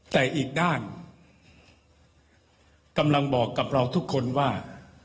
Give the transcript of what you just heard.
แต่อีกด้านกำลังบอกกับเราทุกคนว่า